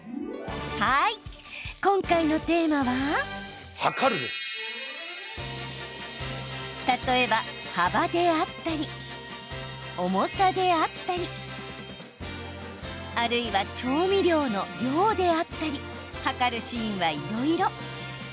今回のテーマは例えば幅であったり重さであったりあるいは調味料の量であったりはかるシーンは、いろいろ。